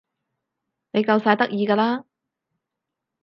你夠晒得意㗎啦